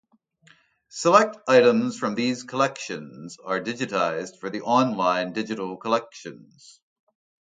Select items from these collections are digitized for the online Digital Collections.